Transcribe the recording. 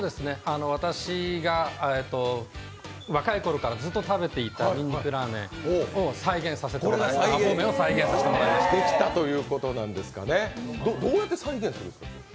私が若いころからずっと食べていたにんにくラーメンを再現させていただきましたどうやって再現したんですか？